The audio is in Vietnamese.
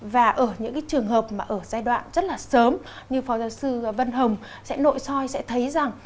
và ở những trường hợp mà ở giai đoạn rất là sớm như phó giáo sư văn hồng sẽ nội soi sẽ thấy rằng